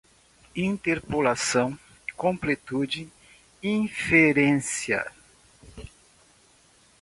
interpolação, completude, inferência